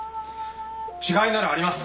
違いならあります。